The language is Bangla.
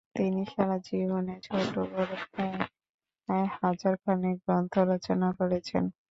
তিনি সারা জীবনে ছোট-বড় প্রায় হাজার খানেক গ্রন্থ রচনা করেছেন।